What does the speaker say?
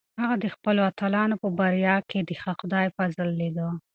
هغه د خپلو اتلانو په بریا کې د خدای فضل لیده.